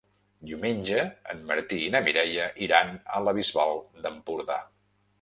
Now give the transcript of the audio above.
Diumenge en Martí i na Mireia iran a la Bisbal d'Empordà.